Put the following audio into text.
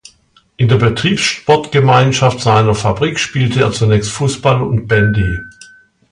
In der Betriebssportgemeinschaft seiner Fabrik spielte er zunächst Fußball und Bandy.